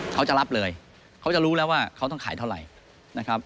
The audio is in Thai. เขาจะรับเลยเขาจะรู้แล้วว่าเขาต้องขายเท่าไหร่นะครับ